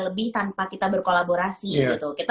lebih tanpa kita berkolaborasi gitu kita